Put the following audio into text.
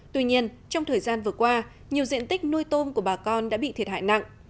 tuy nhiên trong thời gian vừa qua nhiều diện tích nuôi tôm của bà con đã bị thiệt hại nặng